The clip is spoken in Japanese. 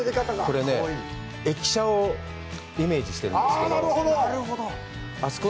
これね、駅舎をイメージしているんですけど。